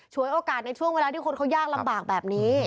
โอกาสในช่วงเวลาที่คนเขายากลำบากแบบนี้